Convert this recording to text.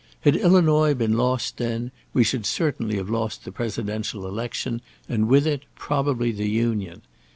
Had Illinois been lost then, we should certainly have lost the Presidential election, and with it probably the Union.